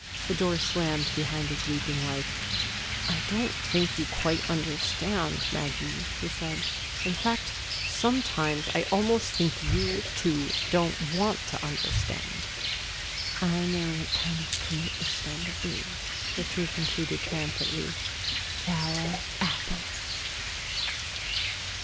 The door slammed behind his weeping wife. "I don't think you quite understand, Maggie," he said. "In fact, sometimes I almost think you, too, don't want to understand." "I know what kind of fruit it's going to be," the tree concluded triumphantly. "Sour apples."